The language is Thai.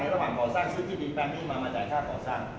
ระหว่างก่อสร้างซื้อที่ดินแปลงนี้มามาจ่ายค่าก่อสร้าง